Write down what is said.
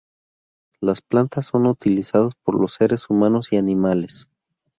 Las plantas son utilizados por los seres humanos y animales.